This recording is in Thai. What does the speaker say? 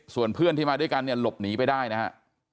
ส่วนเพื่อนที่มาด้วยกันเนี่ยหลบหนีไปได้นะฮะ